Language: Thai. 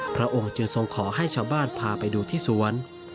พระองค์จึงทรงขอให้ชาวบ้านพาไปดูที่สวน